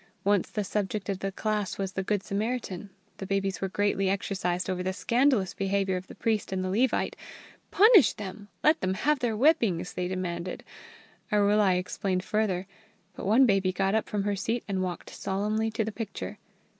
Once the subject of the class was the Good Samaritan. The babies were greatly exercised over the scandalous behaviour of the priest and the Levite. "Punish them! Let them have whippings!" they demanded. Arulai explained further. But one baby got up from her seat and walked solemnly to the picture.